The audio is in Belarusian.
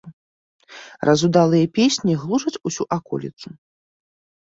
Разудалыя песні глушаць усю аколіцу.